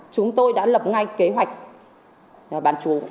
chúng tôi đã lập ngay kế hoạch bán chú